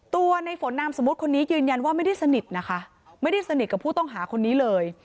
ในฝนนามสมมุติคนนี้ยืนยันว่าไม่ได้สนิทนะคะไม่ได้สนิทกับผู้ต้องหาคนนี้เลย